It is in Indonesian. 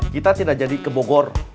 kita tidak jadi ke bogor